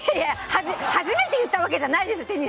初めて言ったわけじゃないですよ！